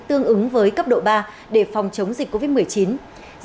tương ứng với cấp độ ba để phòng chống dịch covid một mươi chín